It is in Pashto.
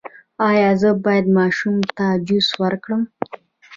ایا زه باید ماشوم ته جوس ورکړم؟